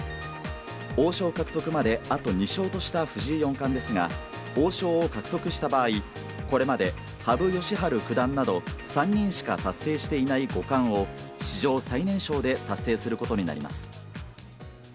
王将獲得まであと２勝とした藤井四冠ですが、王将を獲得した場合、これまで羽生善治九段など、３人しか達成していない五冠を、史上最年少で達成することになります。